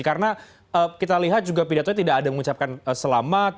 karena kita lihat juga pidato tidak ada mengucapkan selamat